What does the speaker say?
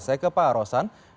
saya ke pak arosan